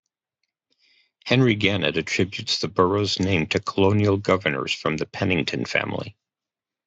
Henry Gannett attributes the borough's name to colonial governors from the Pennington family.